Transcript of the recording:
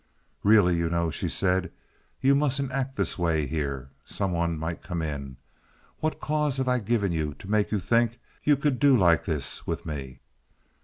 "Really, you know," she said, "you mustn't act this way here. Some one might come in. What cause have I given you to make you think you could do like this with me?"